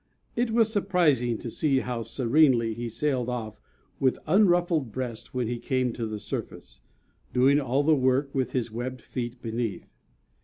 It was surprising to see how serenely he sailed off with unruffled breast when he came to the surface, doing all the work with his webbed feet beneath.